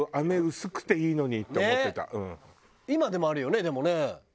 今でもあるよねでもね。